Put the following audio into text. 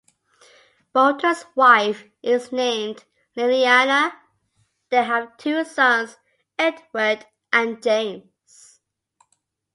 Bolton's wife is named Liliana; they have two sons, Edward and James.